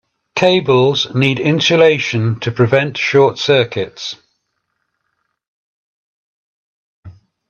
Cables need insulation to prevent short circuits.